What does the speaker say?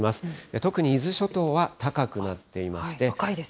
特に伊豆諸島は高くなっていまし高いです。